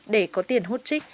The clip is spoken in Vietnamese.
để có tiền hút trích